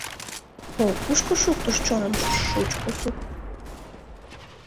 О, кушко шуктыш чоным шучко сутлык.